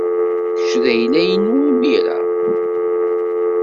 Kečč d ayla-inu imir-a.